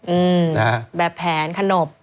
อืมแบบแผนขนบ